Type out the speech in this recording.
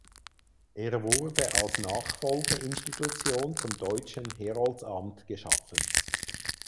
Er wurde als Nachfolgeinstitution zum Deutschen Heroldsamt geschaffen.